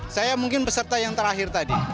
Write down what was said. saya mungkin peserta yang terakhir tadi